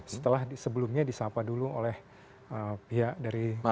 setelah sebelumnya disahpa dulu oleh pihak